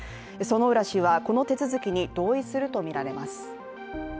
薗浦氏はこの手続きに同意するとみられます。